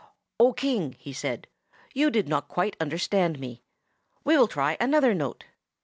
"O King," he said, "you did not quite understand me. We will try another note."